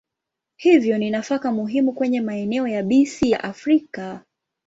Hivyo ni nafaka muhimu kwenye maeneo yabisi ya Afrika.